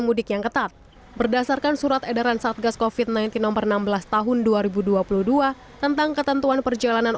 mudik yang ketat berdasarkan surat edaran satgas kofit sembilan belas nomor enam belas tahun dua ribu dua puluh dua tentang ketentuan perjalanan